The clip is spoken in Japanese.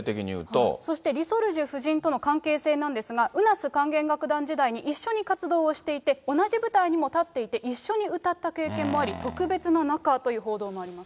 リ・ソルジュ夫人との関係性なんですが、ウナス管弦楽団時代に一緒に活動していて、同じ舞台に立っていて、一緒に歌った経験もあり、特別な仲という報道もあります。